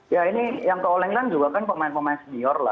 ya ini yang teroleng kan juga kan pemain pemain senior lah